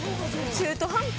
中途半端！